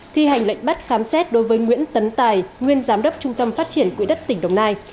thi hành lệnh bắt khám xét đối với nguyễn tấn tài nguyên giám đốc trung tâm phát triển quỹ đất tỉnh đồng nai